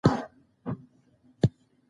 که علم په پښتو وي، نو د جهل تیارې نه پاتې کیږي.